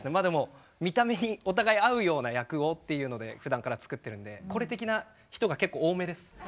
でも見た目にお互い合うような役をっていうのでふだんから作ってるんでこれ的な人が結構多めです。